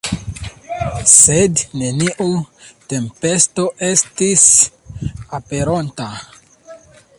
Sed neniu tempesto estis aperonta.